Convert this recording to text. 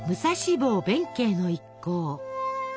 坊弁慶の一行。